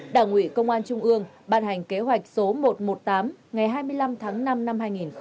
đảng ủy công an trung ương ban hành kế hoạch số một trăm một mươi tám ngày hai mươi năm tháng năm năm hai nghìn hai mươi